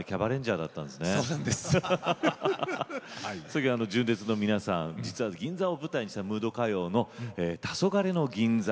次は純烈の皆さん実は銀座を舞台にしたムード歌謡の「たそがれの銀座」